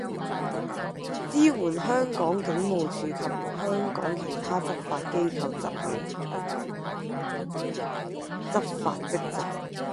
支援香港警務處及香港其他執法機關執行執法職責